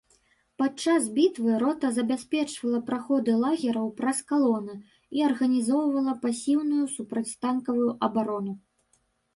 Падчас бітваў рота забяспечвала праходы лагераў праз калоны і арганізоўвала пасіўную супрацьтанкавую абарону.